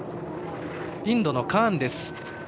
インドのカーンです。